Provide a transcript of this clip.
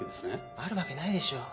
あるわけないでしょう。